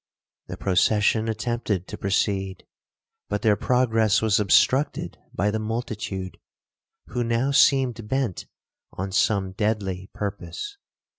The procession attempted to proceed, but their progress was obstructed by the multitude, who now seemed bent on some deadly purpose.